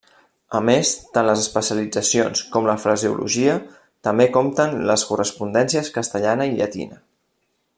A més, tant les especialitzacions com la fraseologia també compten les correspondències castellana i llatina.